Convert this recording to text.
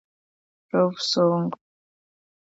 Love song